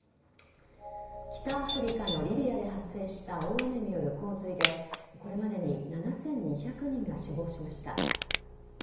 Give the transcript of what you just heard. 北アフリカのリビアで発生した大雨による洪水でこれまでに７２００人が死亡しました。